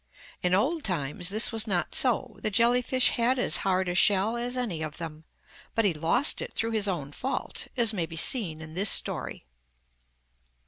In old times this was not so; the jelly fish had as hard a shell as any of them, but he lost it through his own fault, as may be seen in this story.